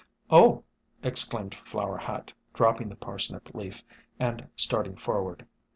"Oh!" exclaimed Flower Hat, dropping the Parsnip leaf and starting forward.